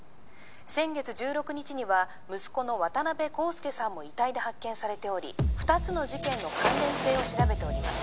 先月１６日には息子の渡辺康介さんも遺体で発見されており二つの事件の関連性を調べております